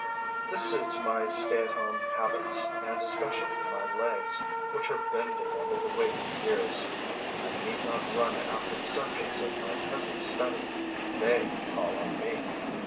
This suits my stay at home habits and especially my legs, which are bending under the weight of years. I need not run after the subjects of my present study; they call on me.